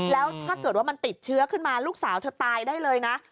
แล้วถ้าเกิดว่ามันติดเชื้อขึ้นมาลูกสาวเธอตายได้เลยนะ